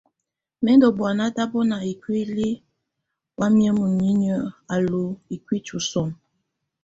Mɛ̀ ndù bɔ̀ána tabɔna ikuili wamɛ̀á munyinyǝ á lu ikuiti sɔnɔ.